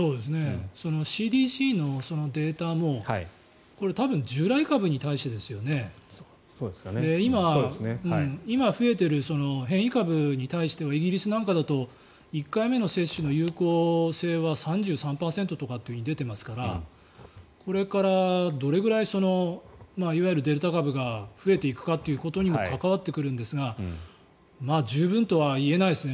ＣＤＣのデータも多分、従来株に対してですよね。今、増えている変異株に対してはイギリスなんかだと１回目の接種の有効性は３３％とかって出ていますからこれからどれぐらいいわゆるデルタ株が増えていくかということにも関わってくるんですが十分とは言えないですね。